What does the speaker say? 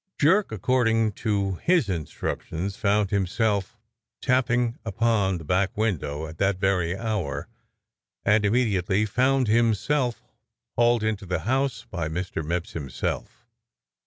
Jerk, according to his instructions, found himself tapping upon the back window at that very hour and immediately found himself hauled into the house by Mr. Mipps himself.